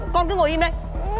con cứ ngồi im đây